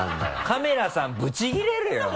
カメラさんブチ切れるよ。